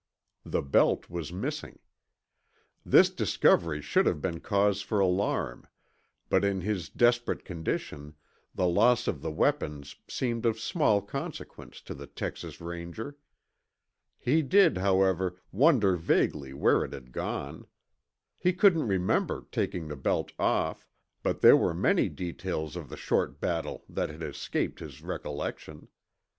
The belt was missing. This discovery should have been cause for alarm, but in his desperate condition, the loss of the weapons seemed of small consequence to the Texas Ranger. He did, however, wonder vaguely where it had gone. He couldn't remember taking the belt off, but there were many details of the short battle that had escaped his recollection.